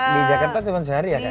di jakarta cuma sehari ya kak